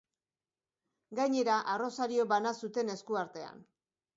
Gainera, arrosario bana zuten eskuartean.